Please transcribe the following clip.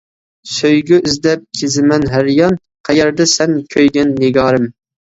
سۆيگۈ ئىزدەپ كېزىمەن ھەر يان، قەيەردە سەن كۆيگەن نىگارىم.